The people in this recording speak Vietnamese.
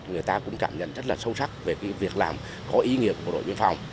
tôi cũng cảm nhận rất là sâu sắc về việc làm có ý nghĩa của bộ đội biên phòng